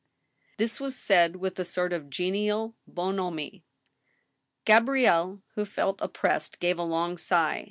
This was said with a sort of genial bonhomie, Gabrielle, who felt oppressed, gave a long sigh.